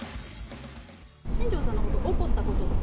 新庄さんのこと、怒ったこととか。